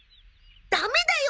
ダメだよ！